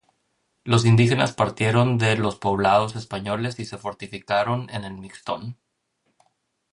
Los indígenas partieron de los poblados españoles y se fortificaron en el Mixtón.